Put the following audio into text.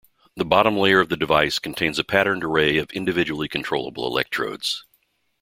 The bottom layer of the device contains a patterned array of individually controllable electrodes.